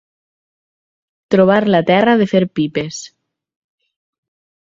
Trobar la terra de fer pipes.